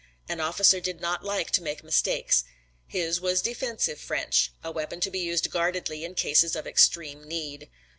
An officer did not like to make mistakes. His was defensive French, a weapon to be used guardedly in cases of extreme need.